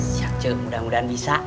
siap cuy mudah mudahan bisa